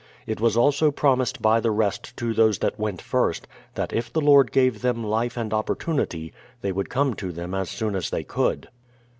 It was also promised by the rest to those that went first, that if the Lord gave them life and opportunity, they would come to them as soon as they could.